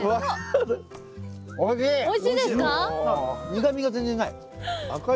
苦みが全然ない。